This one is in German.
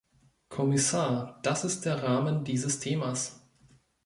Kommissar, das ist der Rahmen dieses Themas.